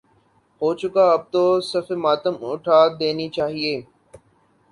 ہو چکا اب تو صف ماتم اٹھاد ینی چاہیے۔